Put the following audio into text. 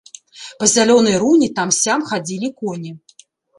Па зялёнай руні там-сям хадзілі коні.